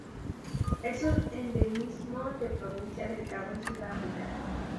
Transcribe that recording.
Es un endemismo de Provincia del Cabo en Sudáfrica.